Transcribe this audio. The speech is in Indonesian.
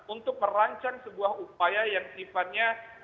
untuk merancang sebuah upaya yang sifatnya